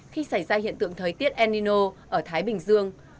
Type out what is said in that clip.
khi xảy ra hiện tượng thời tiết el nino ở thái bình dương